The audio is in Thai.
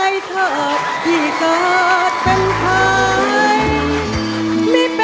เราคนมีเมืองเย็มเราต้องกลายเห็นถึงความดีเยอะ